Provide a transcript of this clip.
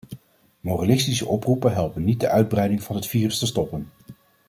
Moralistische oproepen helpen niet de uitbreiding van het virus te stoppen.